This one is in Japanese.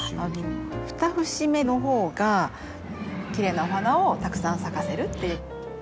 ２節目の方がきれいなお花をたくさん咲かせるっていう。